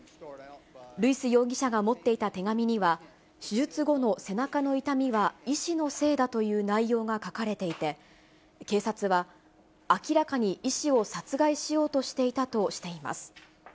ルイス容疑者が持っていた手紙には、手術後の背中の痛みは医師のせいだという内容が書かれていて、警察は、明らかに医師を殺害しようとしていたとしています。